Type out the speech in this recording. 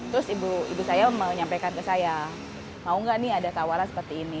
terus ibu saya menyampaikan ke saya mau nggak nih ada tawaran seperti ini